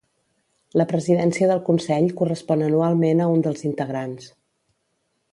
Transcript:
La presidència del Consell correspon anualment a un dels integrants.